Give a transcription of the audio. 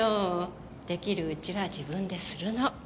出来るうちは自分でするの。